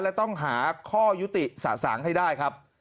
และต้องหาข้อยุติสะสางให้ได้ครับ